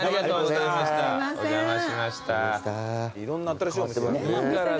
いろんな新しいお店が。